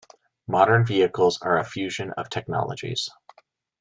Modern vehicles are a fusion of technologies.